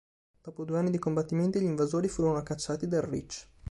Dopo due anni di combattimenti gli invasori furono cacciati dal Reach.